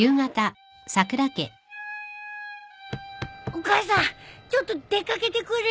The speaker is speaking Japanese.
お母さんちょっと出掛けてくるよ！